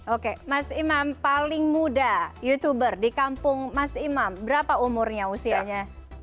oke mas imam paling muda youtuber di kampung mas imam berapa umurnya usianya